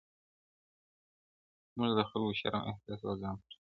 • مور له خلکو شرم احساسوي او ځان پټوي..